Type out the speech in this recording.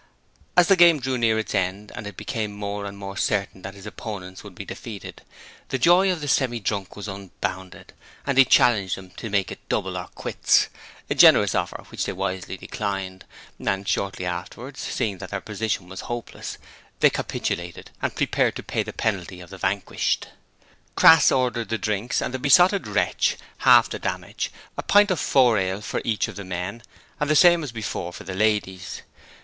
As the game drew near its end and it became more and more certain that his opponents would be defeated, the joy of the Semi drunk was unbounded, and he challenged them to make it double or quits a generous offer which they wisely declined, and shortly afterwards, seeing that their position was hopeless, they capitulated and prepared to pay the penalty of the vanquished. Crass ordered the drinks and the Besotted Wretch paid half the damage a pint of four ale for each of the men and the same as before for the ladies.